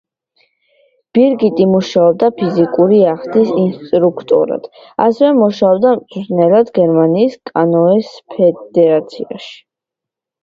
ბირგიტი მუშაობდა ფიზიკური აღზრდის ინსტრუქტორად, ასევე მუშაობდა მწვრთნელად გერმანიის კანოეს ფედერაციაში.